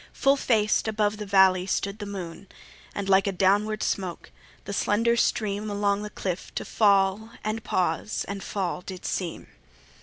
Full faced above the valley stood the moon; And like a downward smoke, the slender stream Along the cliff to fall and pause and fall did seem.